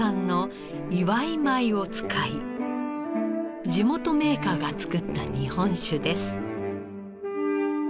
米を使い地元メーカーが造った日本酒です。